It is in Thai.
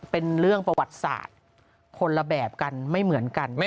เป็นเรื่องประวัติศาสตร์คนละแบบกันไม่เหมือนกัน